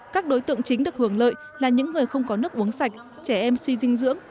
các đối tượng chính được hưởng lợi là những người không có nước uống sạch trẻ em suy dinh dưỡng